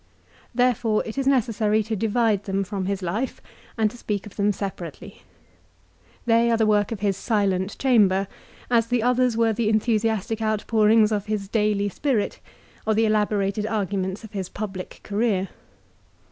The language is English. Therefore it is necessary to divide them from his life, and to speak of them separately. They are the work of his silent chamber, as the others were the enthusiastic outpourings of his daily spirit, or the elaborated arguments of his public career.